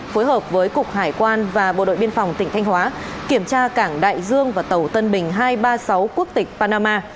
phối hợp với cục hải quan và bộ đội biên phòng tỉnh thanh hóa kiểm tra cảng đại dương và tàu tân bình hai trăm ba mươi sáu quốc tịch panama